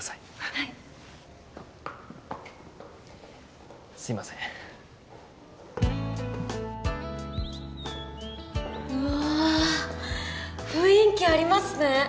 はいすいませんうわ雰囲気ありますね